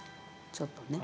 ちょっとね。